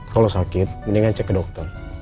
kalau sakit mendingan cek ke dokter